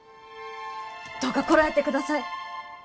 どうかこらえてください。